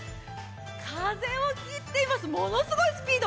風を切っています、ものすごいスピード。